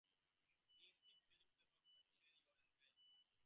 The icing filling flavors were cherry, orange and grape.